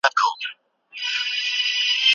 کرکه د جینونو له لارې لېږدول کېږي.